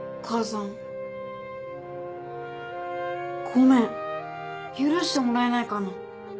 ごめん許してもらえないかな？